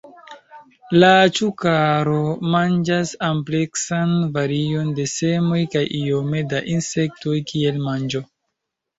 La Ĉukaro manĝas ampleksan varion de semoj kaj iome da insektoj kiel manĝo.